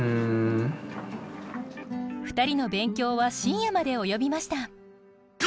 ２人の勉強は深夜まで及びました。